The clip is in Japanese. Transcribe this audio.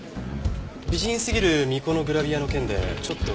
美人すぎる巫女のグラビアの件でちょっと伺いたい事が。